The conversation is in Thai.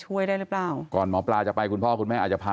ได้หรือเปล่าก่อนหมอปลาจะไปคุณพ่อคุณแม่อาจจะพา